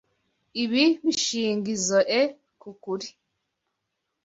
Ibi bishingizoe ku kuri.